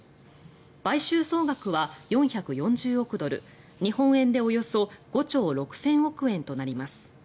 買収総額は４４０億ドル日本円でおよそ５兆６０００億円となります。